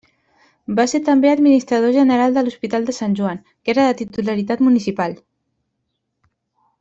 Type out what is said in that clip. Va ser també administrador general de l'Hospital de Sant Joan, que era de titularitat municipal.